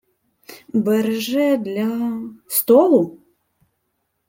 — Береже для... столу?